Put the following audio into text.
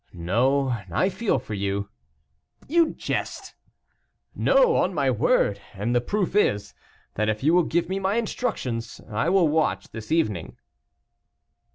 "No, I feel for you." "You jest." "No, on my word, and the proof is, that if you will give me my instructions, I will watch this evening."